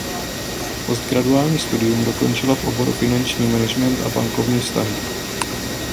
Postgraduální studium dokončila v oboru finanční management a bankovní vztahy.